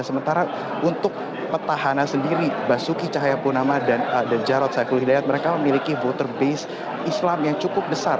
sementara untuk petahana sendiri basuki cahayapunama dan jarod saiful hidayat mereka memiliki voter base islam yang cukup besar